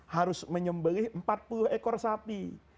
harus menyembeli empat puluh ekor sapi